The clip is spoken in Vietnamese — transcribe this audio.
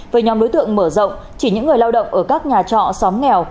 với nhóm đối tượng mở rộng chỉ những người lao động ở các nhà trọ xóm nghèo